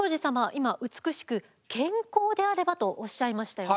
今美しく健康であればとおっしゃいましたよね？